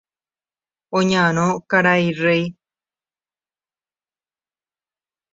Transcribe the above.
Oñarõ karai Réi.